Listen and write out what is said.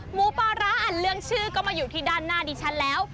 หมูปลาร้าอันเรื่องชื่อก็มาอยู่ที่ด้านหน้าดิฉันแล้ว